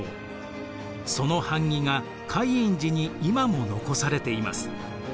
その版木が海印寺に今も残されています。